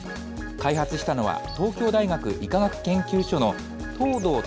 開発したのは、東京大学医科学研究所の藤堂具